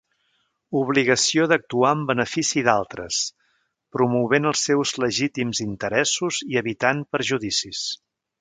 Obligació d'actuar en benefici d'altres, promovent els seus legítims interessos i evitant perjudicis.